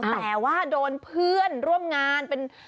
แต่ว่าโดนเพื่อนร่วมงานเป็น